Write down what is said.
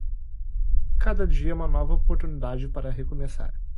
Cada dia é uma nova oportunidade para recomeçar.